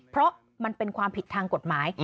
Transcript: เพราะมันเป็นความผิดทางกฎหมาย